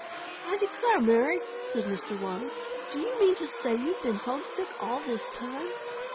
"I declare, Mary!" said Mr. Waddle. "Do you mean to say you've been homesick all this time?"